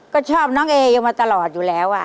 ก็ชอบน้องเออยู่มาตลอดอยู่แล้ว